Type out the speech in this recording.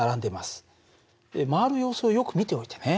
回る様子をよく見ておいてね。